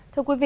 thưa quý vị